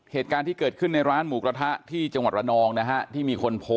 เหตุการณ์ที่เกิดขึ้นในร้านหมูกระทะที่จังหวัดระนองนะฮะที่มีคนโพสต์